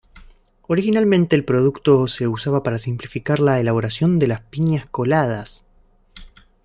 Originalmente el producto se usaba para simplificar la elaboración de las piñas coladas.